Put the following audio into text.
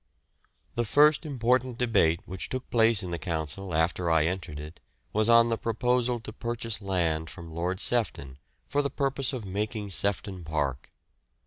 The first important debate which took place in the Council after I entered it was on the proposal to purchase land from Lord Sefton for the purpose of making Sefton Park.